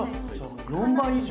４倍以上？